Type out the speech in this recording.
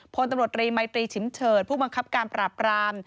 พลตำรวจรีมัยตรีฉิมเฉิดผู้บังคับการปราบราม